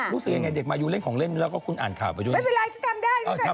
รู้สึกยังไงเด็กมายูเล่นของเล่นแล้วก็คุณอ่านข่าวไปด้วยนะไม่เป็นไร